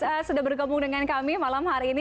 mbak sudah bergabung dengan kami malam hari ini